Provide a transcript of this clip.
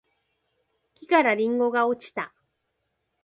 木からりんごが落ちた